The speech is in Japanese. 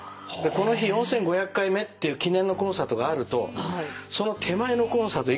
この日４，５００回目っていう記念のコンサートがあるとその手前のコンサート